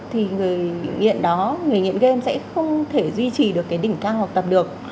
thì người nghiện đó người nghiện game sẽ không thể duy trì được cái đỉnh ca học tập được